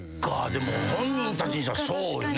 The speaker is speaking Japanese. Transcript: でも本人たちにしたらそうよね。